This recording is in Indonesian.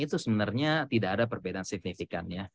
itu sebenarnya tidak ada perbedaan signifikan ya